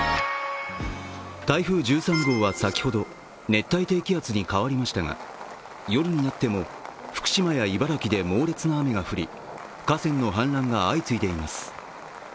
台風１３号は先ほど熱帯低気圧に変わりましたが夜になっても福島や茨城で猛烈な雨が降り河川の氾濫が相次いでいます。